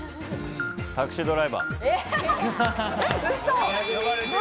タクシードライバー。